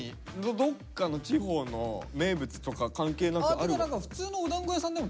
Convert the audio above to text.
どっかの地方の名物とか関係なくあるわけ？